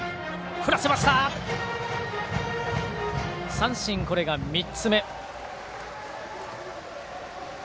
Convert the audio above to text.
三振、これが３つ目。